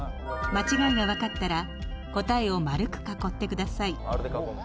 間違いがわかったら答えを丸く囲ってください。